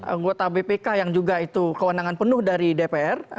anggota bpk yang juga itu kewenangan penuh dari dpr